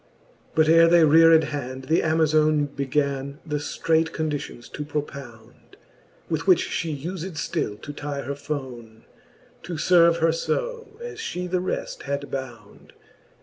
But ere they reared hand, the Amazone Began the ftreight conditions to propound, With which fhe ufed ftill to tye her fonc ; To ierve her fb, as fhe the reft had bound.